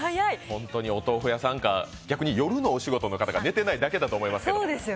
本当にお豆腐屋さんか逆に夜のお仕事の方が寝てないだけだと思いますけど。